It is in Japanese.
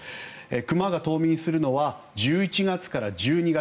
熊が冬眠するのは１１月から１２月。